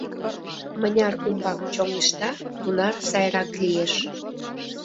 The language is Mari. Мыняр умбак чоҥешта, тунар сайрак лиеш.